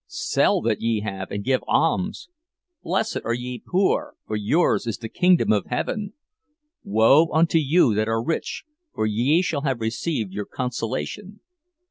'—'Sell that ye have and give alms!'—'Blessed are ye poor, for yours is the kingdom of Heaven!'—'Woe unto you that are rich, for ye have received your consolation!